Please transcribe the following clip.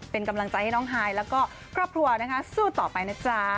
เป็นกำลังใจให้น้องฮายแล้วก็ครอบครัวนะคะสู้ต่อไปนะจ๊ะ